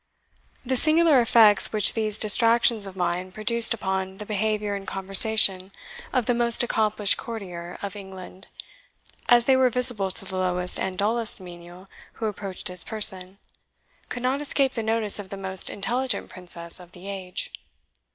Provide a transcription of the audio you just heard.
The singular effects which these distractions of mind produced upon the behaviour and conversation of the most accomplished courtier of England, as they were visible to the lowest and dullest menial who approached his person, could not escape the notice of the most intelligent Princess of the age.